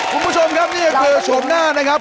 คุณผู้ชมครับนี่ก็คือโฉมหน้านะครับ